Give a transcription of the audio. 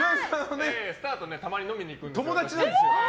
スターとたまに飲みに行くんですよ。